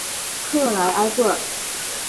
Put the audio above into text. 克莱埃布尔。